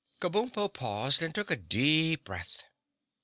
Kabumpo paused and took a deep breath.